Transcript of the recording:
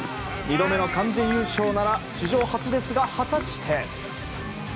２度目の完全優勝なら史上初ですが、果たして。